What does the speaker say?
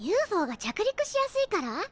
ＵＦＯが着陸しやすいから？